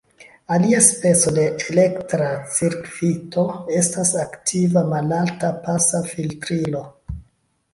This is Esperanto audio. Alia speco de elektra cirkvito estas aktiva malalta-pasa filtrilo.